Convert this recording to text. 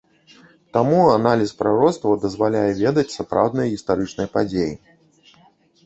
Таму аналіз прароцтваў дазваляе ведаць сапраўдныя гістарычныя падзеі.